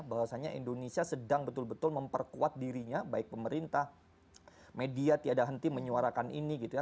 bahwasanya indonesia sedang betul betul memperkuat dirinya baik pemerintah media tiada henti menyuarakan ini gitu ya